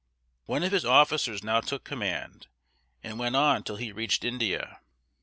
One of his officers now took command, and went on till he reached India.